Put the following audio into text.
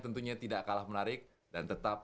tentunya tidak kalah menarik dan tetap